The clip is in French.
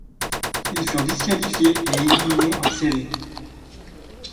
Ils furent disqualifiés et éliminés en série.